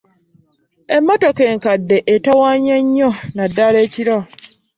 Emmotoka enkadde etawaanya nnyo naddala ekiro.